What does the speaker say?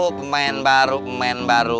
pemain baru pemain baru